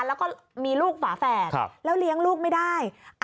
แล้วก็มีลูกฝาแฝดแล้วเลี้ยงลูกไม่ได้